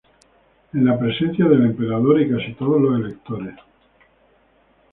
En la presencia del emperador y casi todos los electores.